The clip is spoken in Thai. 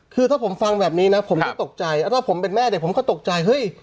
คือถ้าผมฟังแบบนี้นะผมก็ตกใจถ้าผมเป็นแม่เด็กผมก็ตกใจเฮ้ย